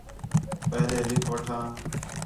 پہلے لِکھ وٹھاں